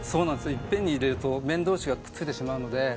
いっぺんに入れると麺同士がくっついてしまうので。